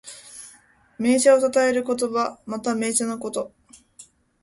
銘茶をたたえる言葉。また、銘茶のこと。